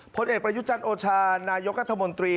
ผลเอกประยุจันทร์โอชานายกรัฐมนตรี